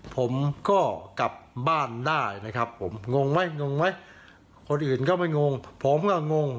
ผมก็กลับบ้านได้งงไหมคนอื่นก็ไม่งงผมก็งง